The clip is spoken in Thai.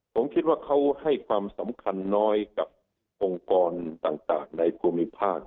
ผมคิดว่าเขาให้ความสำคัญน้อยกับองค์กรต่างในภูมิภาค